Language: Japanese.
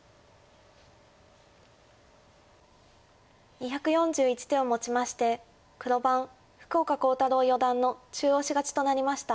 ２４１手をもちまして黒番福岡航太朗四段の中押し勝ちとなりました。